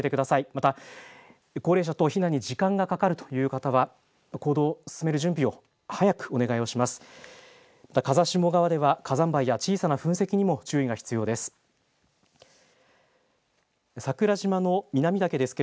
また、高齢者等、避難に時間がかかるという方は行動を進める準備を早くお願いをします。